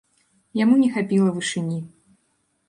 Яму не хапіла вышыні.